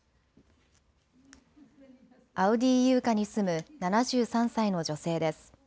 アウディーイウカに住む７３歳の女性です。